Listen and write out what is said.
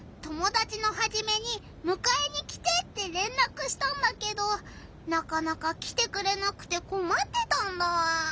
友だちのハジメに「むかえに来て！」ってれんらくしたんだけどなかなか来てくれなくてこまってたんだ。